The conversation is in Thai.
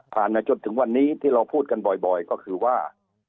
มาจนถึงวันนี้ที่เราพูดกันบ่อยก็คือว่า